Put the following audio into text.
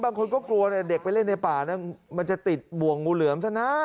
บางคนก็กลัวเด็กไปเล่นในป่ามันจะติดบ่วงงูเหลือมซะนะ